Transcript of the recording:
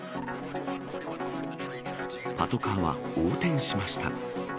パトカーは横転しました。